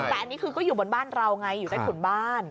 แต่อันนี้คือก็อยู่บนบ้านเราไงอยู่ใต้ถุนบ้าน